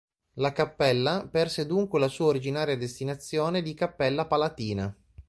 La cappella perse dunque la sua originaria destinazione di cappella palatina.